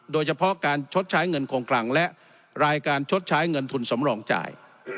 โดยเฉพาะการชดใช้เงินโครงกลางและรายการชดใช้เงินทุนสำรองจ่าย